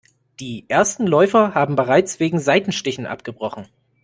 Die ersten Läufer haben bereits wegen Seitenstichen abgebrochen.